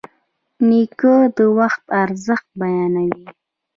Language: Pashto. نیکه د وخت ارزښت بیانوي.